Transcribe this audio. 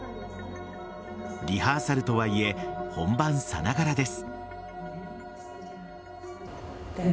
リハーサルとはいえ本番さながらです。